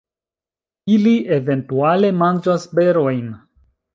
Ili eventuale manĝas berojn.